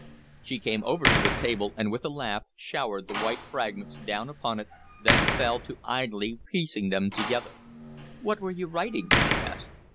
She came over to the table, and with a laugh showered the white fragments down upon it, then fell to idly piecing them together. "What were you writing?" she asked.